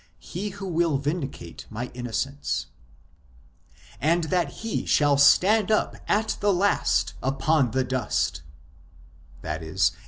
He who will vindicate my innocence], And that He shall stand up at the last upon the dust [i.e.